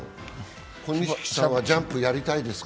小錦さんはジャンプやりたいですか？